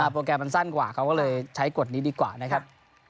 โปรแกรมมันสั้นกว่าเขาก็เลยใช้กฎนี้ดีกว่านะครับ